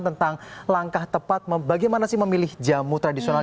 tentang langkah tepat bagaimana sih memilih jamu tradisional